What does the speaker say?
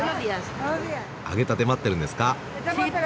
揚げたて待ってるんですか？